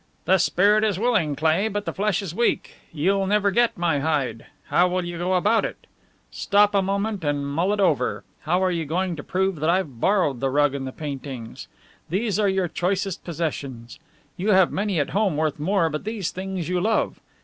"The spirit is willing, Cleigh, but the flesh is weak. You'll never get my hide. How will you go about it? Stop a moment and mull it over. How are you going to prove that I've borrowed the rug and the paintings? These are your choicest possessions. You have many at home worth more, but these things you love.